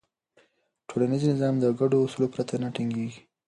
ټولنیز نظم د ګډو اصولو پرته نه ټینګېږي.